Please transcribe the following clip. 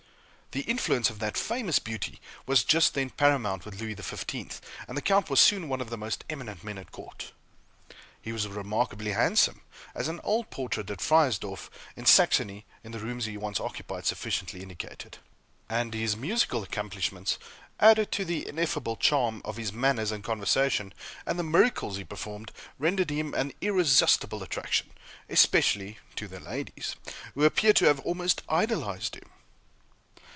The influence of that famous beauty was just then paramount with Louis XV, and the Count was soon one of the most eminent men at court. He was remarkably handsome as an old portrait at Friersdorf, in Saxony, in the rooms he once occupied, sufficiently indicated; and his musical accomplishments, added to the ineffable charm of his manners and conversation, and the miracles he performed, rendered him an irresistible attraction, especially to the ladies, who appear to have almost idolized him.